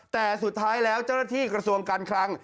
แต่สุดท้ายแล้วเจ้าหน้าที่กระทรวงการคลัง